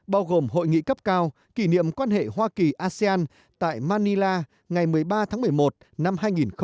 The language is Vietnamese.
bao gồm hội nghị cấp cao kỷ niệm quan hệ hoa kỳ asean tại manila ngày một mươi ba tháng một mươi một năm hai nghìn một mươi chín